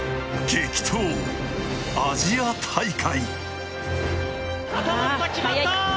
激闘、アジア大会。